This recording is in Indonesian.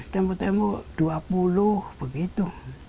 tempe tempe dua puluh begitu